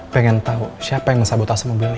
pengen tau siapa yang mensabotase mobil ini